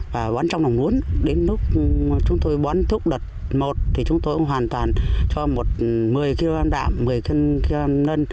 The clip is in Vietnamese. và bón trong đồng ruộng đến lúc chúng tôi bón thúc đợt một thì chúng tôi hoàn toàn cho một mươi kg nân